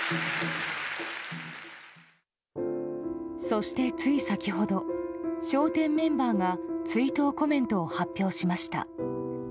そして、つい先ほど「笑点」メンバーが追悼コメントを発表しました。